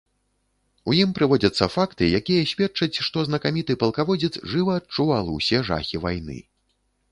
У ім прыводзяцца факты, якія сведчаць, што знакаміты палкаводзец жыва адчуваў ўсе жахі вайны.